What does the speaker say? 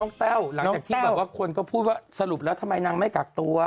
แต้วหลังจากที่แบบว่าคนก็พูดว่าสรุปแล้วทำไมนางไม่กักตัว